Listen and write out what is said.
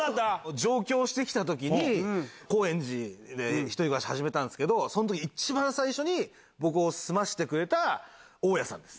上京してきたときに、高円寺で１人暮らし始めたんですけど、そのとき一番最初に僕を住まわせてくれた大家さんです。